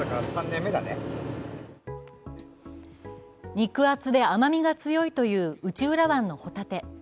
肉厚で甘みが強いという内浦湾のほたて。